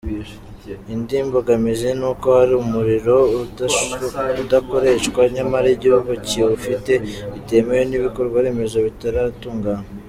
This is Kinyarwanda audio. Indi mbogamizi ni uko hari umuriro udakoreshwa nyamara igihugu kiwufite bitewe n’ibikorwaremezo bitaratungana .